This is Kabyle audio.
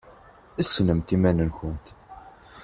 Ssnemt iman-nkent!